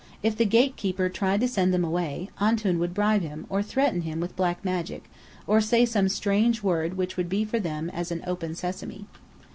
If the gatekeeper tried to send them away, Antoun would bribe him, or threaten him with black magic, or say some strange word which would be for them as an "Open Sesame."